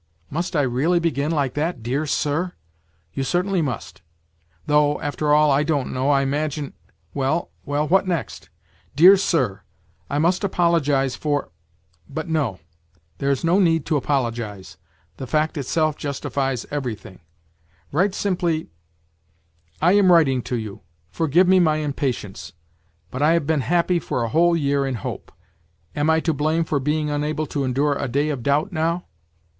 ..."" Must I really begin like that, ' Dear Sir '?"" You certainly must ! Though, after all, I don't know, I imagine. ..."" Well, well, what next ?""' Dear Sir, I must apologize for ' But, no, there's no need to apologize ; the fact itself justifies everything. Write simply :"' I am writing to you. Forgive me my impatience; but I have been happy for a whole year in hope ; am I to blame for being unable to enduie a day of doubt now